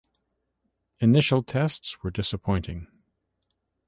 Initial tests were disappointing.